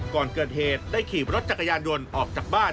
ก่อนเกิดเหตุได้ขี่รถจักรยานยนต์ออกจากบ้าน